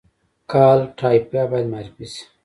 کالтура باید معرفي شي